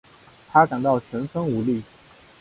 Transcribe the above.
她感到全身无力